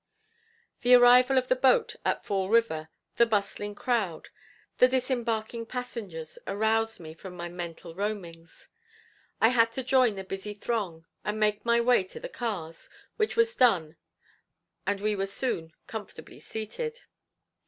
The arrival of the boat at Fall River, the bustling crowd, the disembarking passengers aroused me from mental roamings. I had to join the busy throng and make my way to the cars, which was done and we were soon comfortably seated.